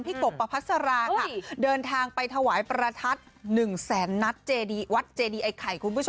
กบประพัสราค่ะเดินทางไปถวายประทัด๑แสนนัดเจดีวัดเจดีไอ้ไข่คุณผู้ชม